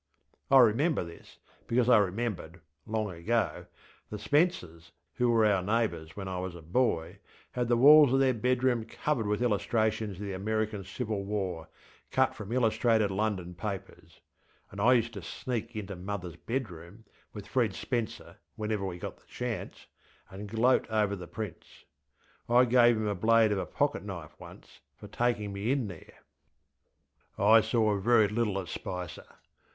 I remember this, because I remembered, long ago, the Spencers, who were our neighbours when I was a boy, had the walls of their bedroom covered with illustrations of the American Civil War, cut from illustrated London papers, and I used to ŌĆśsneakŌĆÖ into ŌĆśmotherŌĆÖs bedroomŌĆÖ with Fred Spencer whenever we got the chance, and gloat over the prints. I gave him a blade of a pocket knife once, for taking me in there. I saw very little of Spicer.